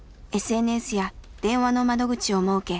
ＳＮＳや電話の窓口を設け